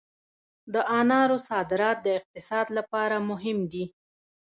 د انارو صادرات د اقتصاد لپاره مهم دي